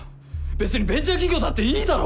べつにベンチャー企業だっていいだろ。